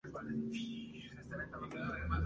Continuaría con su guerrilla autónoma.